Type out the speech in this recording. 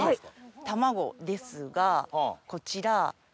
卵ですがこちら。